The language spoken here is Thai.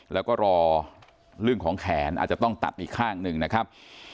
แล้วก็รอเรื่องของแขนอาจจะต้องตัดอีกข้างหนึ่งนะครับ